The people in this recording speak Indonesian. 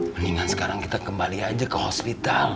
mendingan sekarang kita kembali aja ke hospital